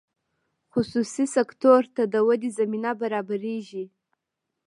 خصوصي سکتور ته د ودې زمینه برابریږي.